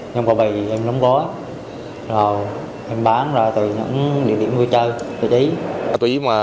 nhưng có bày thì em lóng gói rồi em bán ra từ những địa điểm vui chơi địa điểm